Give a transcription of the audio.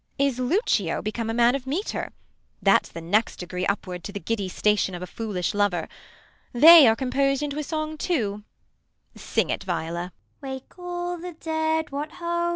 Is Lucio become a man of metre 1 That's the next degree upward to the giddy Station of a foolish lover. They are Compos'd into a song too. Sing it, Viola ! Viola sings the song. Viol. Wake all the dead ! what hoa